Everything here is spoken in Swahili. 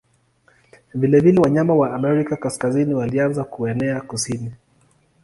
Vilevile wanyama wa Amerika Kaskazini walianza kuenea kusini.